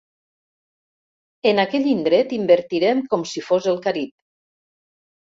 En aquell indret invertirem com si fos el Carib.